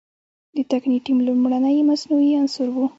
د تکنیټیم لومړنی مصنوعي عنصر و.